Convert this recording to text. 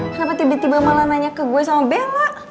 kenapa tiba tiba malah nanya ke gue sama bella